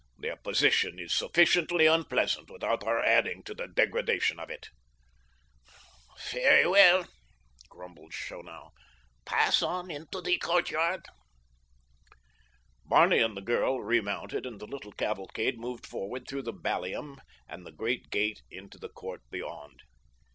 Their position is sufficiently unpleasant without our adding to the degradation of it." "Very well," grumbled Schonau. "Pass on into the courtyard." Barney and the girl remounted and the little cavalcade moved forward through the ballium and the great gate into the court beyond.